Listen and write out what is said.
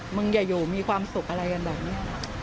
อย่าอยู่มีความสุขอะไรกันแบบนี้